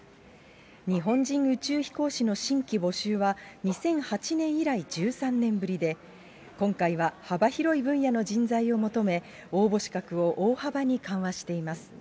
日本人宇宙飛行士の新規募集は、２００８年以来１３年ぶりで、今回は幅広い分野の人材を求め、応募資格を大幅に緩和しています。